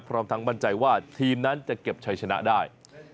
พร้อมทั้งมั่นใจว่าทีมนั้นจะเก็บชัยชนะได้